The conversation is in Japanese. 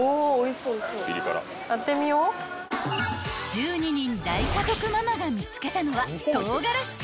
［１２人大家族ママが見つけたのは］